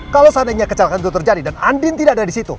kalau seandainya kecelakaan itu terjadi dan andien tidak ada disitu